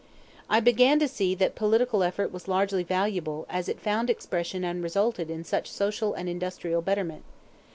I began to see that political effort was largely valuable as it found expression and resulted in such social and industrial betterment.